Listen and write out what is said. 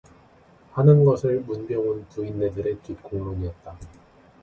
하는 것을 문병 온 부인네들의 뒷공론이었다.